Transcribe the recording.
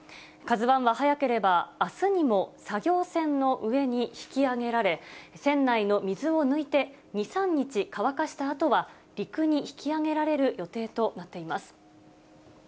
ＫＡＺＵＩは早ければあすにも作業船の上に引き揚げられ、船内の水を抜いて２、３日乾かしたあとは、陸に引き揚げられる予定となっています。